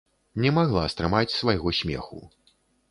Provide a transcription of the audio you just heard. Не магла стрымаць свайго смеху.